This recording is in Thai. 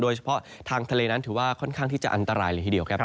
โดยเฉพาะทางทะเลนั้นถือว่าค่อนข้างที่จะอันตรายเลยทีเดียวครับ